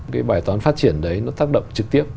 cái bài toán phát triển đấy nó tác động trực tiếp